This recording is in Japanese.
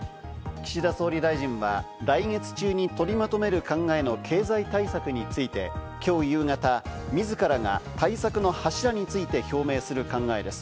岸田総理大臣は来月中に取りまとめる考えの経済対策について、きょう夕方、自らが対策の柱について表明する考えです。